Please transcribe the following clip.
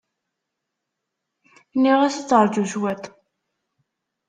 Nniɣ-as ad teṛju cwiṭ.